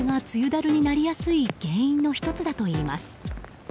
だるになりやすい原因の１つだといいます。